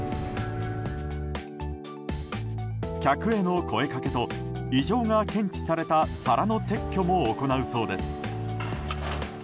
客への声掛けと異常が検知された皿の撤去も行うそうです。